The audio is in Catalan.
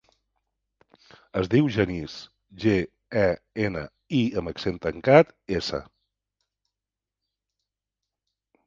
Es diu Genís: ge, e, ena, i amb accent tancat, essa.